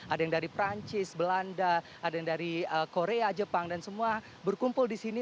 ada yang dari perancis belanda ada yang dari korea jepang dan semua berkumpul di sini